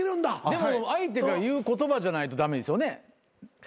でも相手が言う言葉じゃないと駄目ですよね？